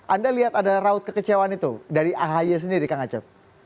anda lihat ada raut kekecewaan itu dari ahy sendiri kang acep